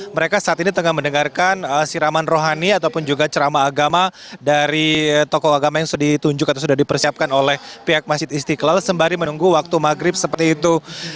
mereka saat ini tengah mendengarkan siraman rohani ataupun juga ceramah agama dari tokoh agama yang sudah ditunjuk atau sudah dipersiapkan oleh pihak masjid istiqlal sembari menunggu waktu maghrib seperti itu